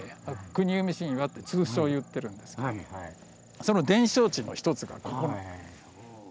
「国生み神話」って通称言ってるんですけどもその伝承地の一つがここなんです。